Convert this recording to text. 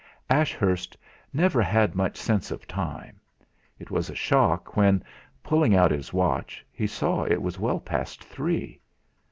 Ashurst never had much sense of time. It was a shock when, pulling out his watch, he saw it was well past three.